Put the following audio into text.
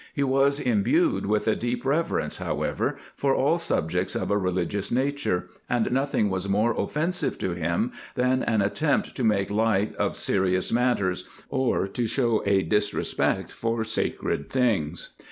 He was imbued with a deep reverence, however, for all subjects of a religious nature, and noth ing was more offensive to him than an attempt to make light of serious matters, or to show a disrespect for sacred things.